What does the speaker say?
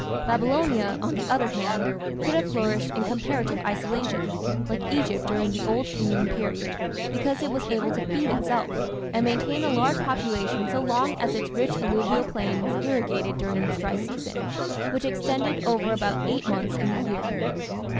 Babylonia, on the other hand, could have flourished in comparative isolation, like Egypt during the Old Kingdom period, because it was able to feed itself and maintain a large population so long as its rich alluvial plain was irrigated during its dry season, which extended over about eight months in the year.